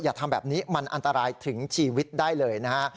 ทำแบบนี้มันอันตรายถึงชีวิตได้เลยนะฮะ